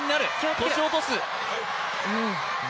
腰を落とす。